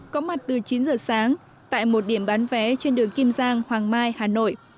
có mặt từ chín giờ sáng tại một điểm bán vé trên đường kim giang hoàng mai hà nội